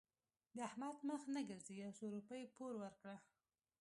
د احمد مخ نه ګرځي؛ يو څو روپۍ پور ورکړه.